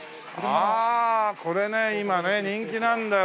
ああこれね今ね人気なんだよ